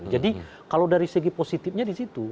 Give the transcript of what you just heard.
jadi kalau dari segi positifnya di situ